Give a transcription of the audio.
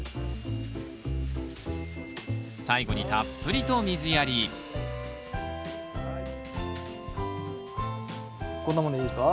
最後にたっぷりと水やりこんなもんでいいですか？